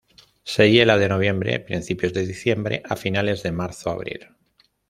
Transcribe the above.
Se hiela de noviembre-principios de diciembre a finales de marzo-abril.